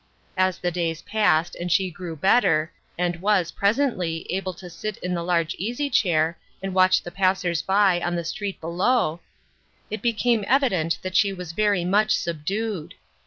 As the days passed, and she grew better, and was, presently, able to sit in the large easy chair, and watch the passers by, on the street below, it became evident that she was very much subdued.